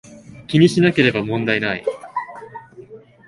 気にしなければ問題無い